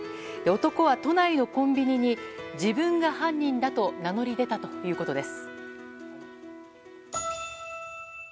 男は都内のコンビニに自分が犯人だと名乗り出たということです。